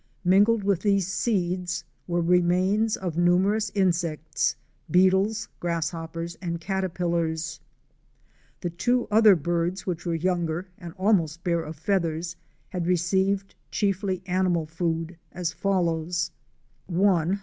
Mingled with these seeds were remains of numerous insects; beetles, grasshoppers and caterpillars. The two other birds, which were younger, and almost bare of feathers, had received chiefly animal food, as follows: — t.